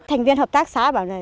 thành viên hợp tác xã bảo là